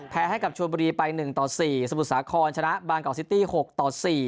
ให้กับชวนบุรีไป๑ต่อ๔สมุทรสาครชนะบางกอกซิตี้๖ต่อ๔